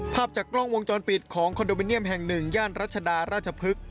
ภาพจากกล้องวงจรปิดของคอนโดมิเนียมแห่งหนึ่งย่านรัชดาราชพฤกษ์